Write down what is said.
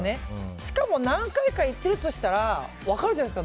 しかも、何回か行っているとしたら分かるじゃないですか。